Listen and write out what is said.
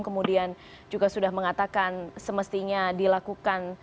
kemudian juga sudah mengatakan semestinya dilakukan